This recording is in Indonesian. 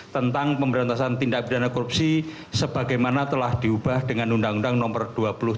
tentang pemberantasan tindak bidang korupsi sebagaimana telah diubah dengan undang undang nomor dua puluh tahun dua ribu satu